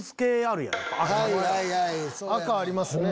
赤ありますね。